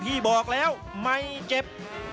ที่บอกแล้วไม่เจ็บ